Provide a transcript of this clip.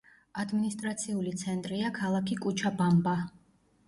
ადმინისტრაციული ცენტრია ქალაქი კოჩაბამბა.